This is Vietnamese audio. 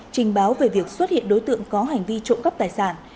trình báo về việc xuất hiện đối tượng có hành vi trộm cắp tài sản